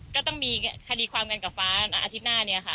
ก็ต้องมีคดีความกันกับฟ้าอาทิตย์หน้านี้ค่ะ